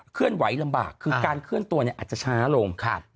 เคลื่อนไหวลำบากคือการเคลื่อนตัวอาจจะช้าลง